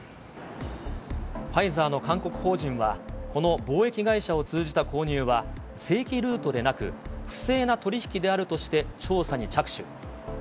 ファイザーの韓国法人は、この貿易会社を通じた購入は、正規ルートでなく、不正な取り引きであるとして、調査に着手。